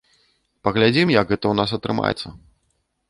Паглядзім, як гэта ў нас атрымаецца.